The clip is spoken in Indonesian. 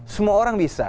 semua orang bisa